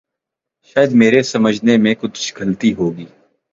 شاید میرے سمجھنے میں کچھ غلطی ہو گئی۔